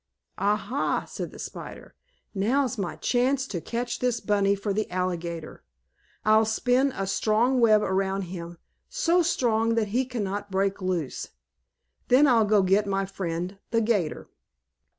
"Ah, ha!" said the spider. "Now's my chance to catch this bunny for the alligator. I'll spin a strong web around him, so strong that he cannot break loose. Then I'll go get my friend, the 'gator."